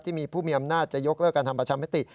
ที่มีผู้มีอำนาจจะยกเลิกการทำประชามติ